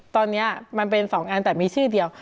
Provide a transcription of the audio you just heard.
ตอนนี้มันเป็น๒อันแต่มีชื่อเดียว